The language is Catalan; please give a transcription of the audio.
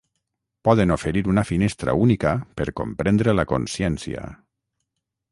poden oferir una finestra única per comprendre la consciència